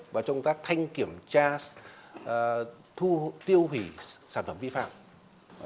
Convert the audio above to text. và trong tác thanh kiểm tra tiêu hủy sản phẩm vi phạm